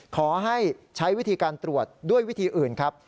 ขอให้ใช้วิธีการตรวจด้วยวิธีอื่นครับ